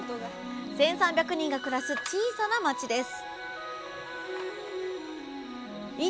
１，３００人が暮らす小さな町です